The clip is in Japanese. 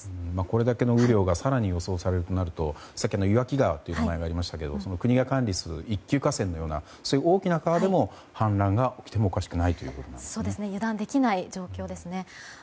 これだけの雨量が更に予想されるとなるとさっきの岩木川という名前がありましたが国が管理する一級河川のような大きな川でも氾濫が起きても油断できない状況です。